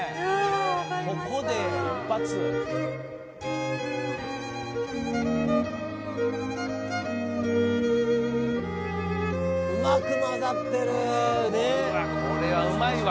ここで一発うまくまざってるねっうわ